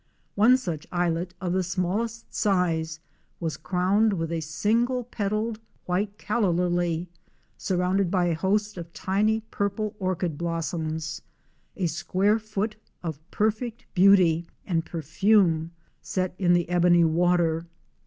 One such islet of the smallest size was crowned with a single petalled, white calla lily, surrounded by a host of tiny purple orchid blossoms; a square foot of perfect beauty and perfume set in the ebony water.